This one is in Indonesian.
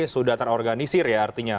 sudah terorganisir ya artinya